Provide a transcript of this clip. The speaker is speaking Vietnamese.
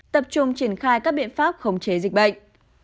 tập trung triển khai các biện pháp khống chế dịch bệnh